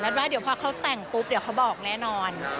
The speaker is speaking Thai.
ว่าเดี๋ยวพอเขาแต่งปุ๊บเดี๋ยวเขาบอกแน่นอน